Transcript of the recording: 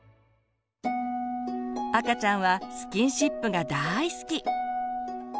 赤ちゃんはスキンシップが大好き。